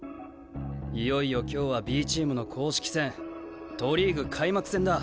いよいよ今日はＢチームの公式戦都リーグ開幕戦だ。